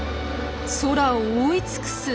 空を覆い尽くす大群。